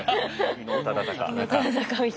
伊能忠敬。